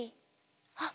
．あっ